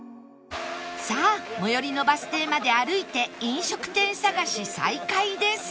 さあ最寄りのバス停まで歩いて飲食店探し再開です